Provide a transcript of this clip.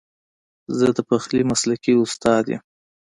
زه د پخلي مسلکي استاد یم